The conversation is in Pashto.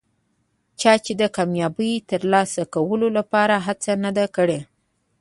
چا چې د کامیابۍ ترلاسه کولو لپاره هڅه نه ده کړي.